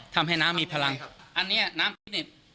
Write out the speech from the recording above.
ทำให้น้ำมีพลังอันนี้น้ำมนต์ทิป